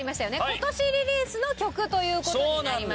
今年リリースの曲という事になります。